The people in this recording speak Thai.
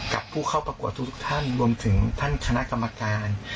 กับผู้เข้าประกวดทุกท่านรวมถึงท่านคณะกรรมการ